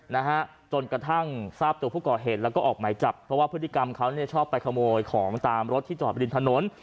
นะฮะจนกระทั่งทราบตัวผู้ก่อเหตุแล้วก็ออกหมายจับเพราะว่าพฤติกรรมเขาเนี่ยชอบไปขโมยของตามรถที่จอดริมถนน